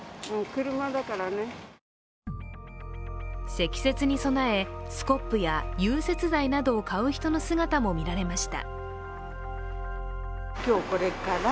積雪に備え、スコップや融雪剤などを買う人の姿も見られました。